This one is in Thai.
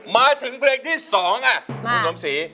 มาถึงเพลงที่๒คุณสมศรี